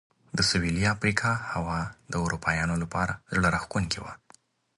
د سوېلي افریقا هوا د اروپایانو لپاره زړه راښکونکې وه.